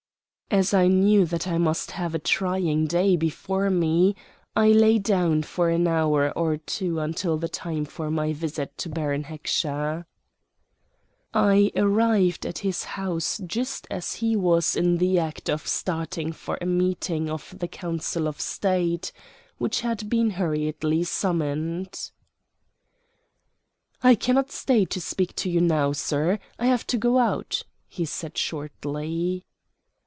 As I knew that I must have a trying day before me, I lay down for an hour or two until the time for my visit to Baron Heckscher. I arrived at his house just as he was in the act of starting for a meeting of the Council of State, which had been hurriedly summoned. "I cannot stay to speak to you now, sir. I have to go out," he said shortly.